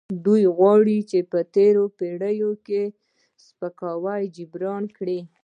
دوی غواړي چې د تیرې پیړۍ سپکاوی جبران کړي.